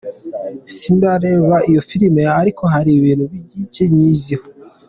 "Sindareba iyo filime ariko hari ibintu bicye nyiziho.